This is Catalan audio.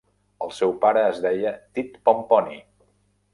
El seu pare es deia Tit Pomponi.